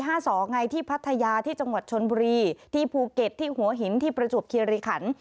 ไงที่พัทยาที่จังหวัดชนบุรีที่ภูเก็ตที่หัวหินที่ประจวบคิริขัน